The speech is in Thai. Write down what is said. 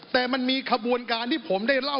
แต่มันมีขบวนการที่ผมได้เล่า